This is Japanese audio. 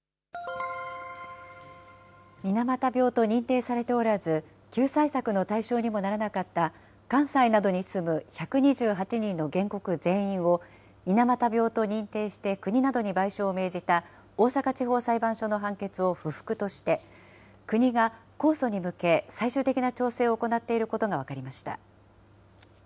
水俣病と認定されておらず、救済策の対象にもならなかった関西などに住む１２８人の原告全員を、水俣病と認定して国などに賠償を命じた大阪地方裁判所の判決を不服として、国が控訴に向け、最終的な調整を行っていることが分かりました。